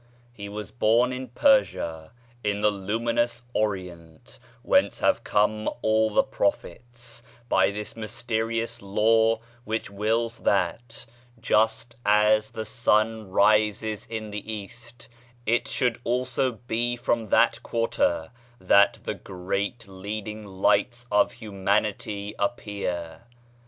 He was born in Persia, in the luminous Orient whence have come all the Prophets, by this mysterious law which wills that, just as the sun rises in the East, it should also be from that quarter that the great leading Lights of humanity appear.